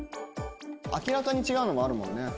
明らかに違うのもあるね。